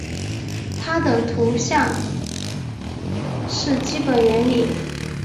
它是相图的基本原理。